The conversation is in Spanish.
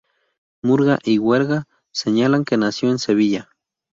Murga y Huerga señalan que nació en Sevilla.